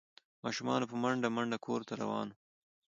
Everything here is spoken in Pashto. ماشومان په منډه منډه کور ته روان وو۔